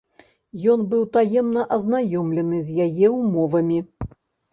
Ён быў таемна азнаёмлены з яе ўмовамі.